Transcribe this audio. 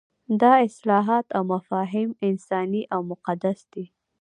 دا اصطلاحات او مفاهیم انساني او مقدس دي.